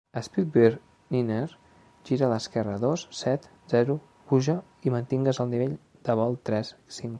Speedbird niner, gira a l'esquerra a dos, set, zero, puja i mantingues el nivell de vol tres, cinc.